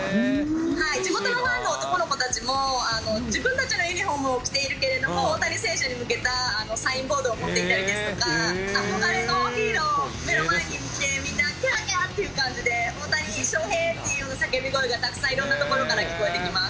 地元のファンの男の子たちも自分たちのユニホームを着ているけれども、大谷選手に向けたサインボードを持っていたりですとか、憧れのヒーローを目の前に見て、みんなきゃーきゃーっていう感じで、大谷翔平っていう叫び声がたくさんいろんな所から聞こえてきます。